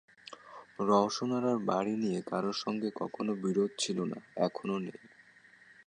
রওশন আরার বাড়ি নিয়ে কারও সঙ্গে কখনো বিরোধ ছিল না, এখনো নেই।